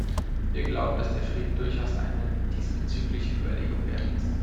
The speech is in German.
Wir glauben, dass der Frieden durchaus eine diesbezügliche Überlegung wert ist.